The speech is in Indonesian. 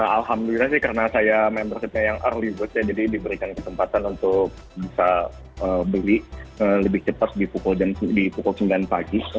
alhamdulillah sih karena saya membershipnya yang early vote ya jadi diberikan kesempatan untuk bisa beli lebih cepat di pukul sembilan pagi